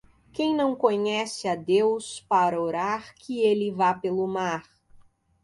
Quem não conhece a Deus para orar que ele vá pelo mar.